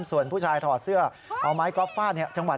ส่วนผู้ชายถอดเสื้อเอาไม้กรอฟต์ฟ้า